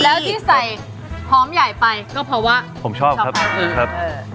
แล้วที่ใส่หอมใหญ่ไปก็เพราะว่าผมชอบครับเออครับเออ